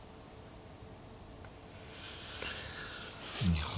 いや。